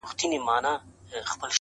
هر څه لاپي چي یې کړي وې پښېمان سو!!